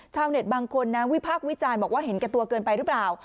ชาวเน็ตบางคนนะวิพากษ์วิจารณ์บอกว่าเห็นแก่ตัวเกินไปหรือเปล่า